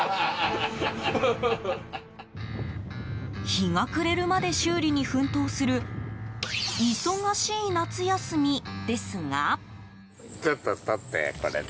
日が暮れるまで修理に奮闘する忙しい夏休みですが。